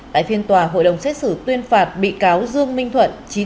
tại phiên tòa hội đồng xét xử tuyên phạt bị cáo dương minh thuận